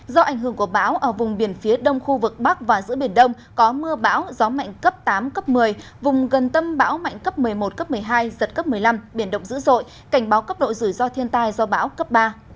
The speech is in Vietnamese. do ảnh hưởng của bão ở vùng biển phía đông khu vực bắc và giữa biển đông có mưa bão gió mạnh cấp tám cấp một mươi vùng gần tâm bão mạnh cấp một mươi một cấp một mươi hai giật cấp một mươi năm biển động dữ dội cảnh báo cấp độ rủi ro thiên tai do bão cấp ba